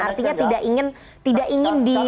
artinya tidak ingin di